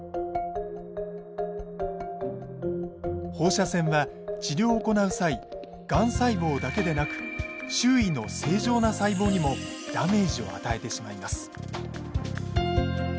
放射線は治療を行う際がん細胞だけでなく周囲の正常な細胞にもダメージを与えてしまいます。